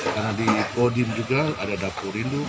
karena di polri juga ada dapur induk